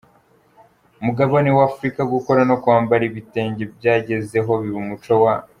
mugabane w’Afurika, gukora no kwambara ibitenge byagezeho biba umuco wa